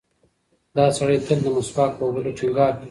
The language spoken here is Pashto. دا سړی تل د مسواک په وهلو ټینګار کوي.